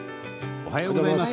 おはようございます。